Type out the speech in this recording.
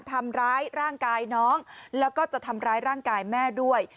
ทำร้ายร่างกายน้องแล้วก็จะทำร้ายร่างกายแม่ด้วย